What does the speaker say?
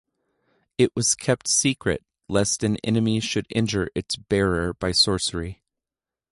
It was kept secret lest an enemy should injure its bearer by sorcery.